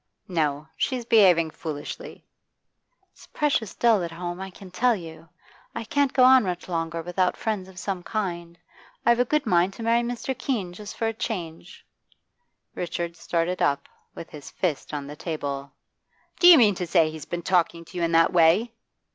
'No. She's behaving foolishly.' 'It's precious dull at home, I can tell you. I can't go on much longer without friends of some kind. I've a good mind to marry Mr. Keene, just for a change.' Richard started up, with his fist on the table. 'Do you mean to say he's been talking to you in that way?